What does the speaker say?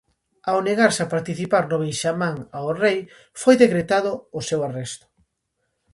Ao negarse a participar no beixamán ao rei, foi decretado o seu arresto.